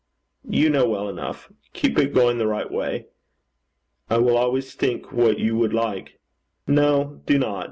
'You know well enough. Keep it going the right way.' 'I will always think what you would like.' 'No; do not.